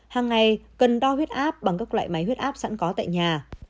hàng ngày cần đo huyết áp bằng các loại máy huyết áp sẵn có tại nhà